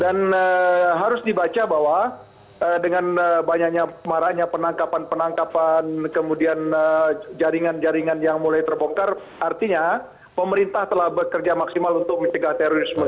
dan harus dibaca bahwa dengan banyaknya penangkapan penangkapan kemudian jaringan jaringan yang mulai terbongkar artinya pemerintah telah bekerja maksimal untuk mencegah terorisme